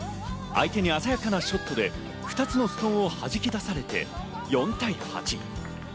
相手に鮮やかなショットで２つのストーンをはじき出されて４対８。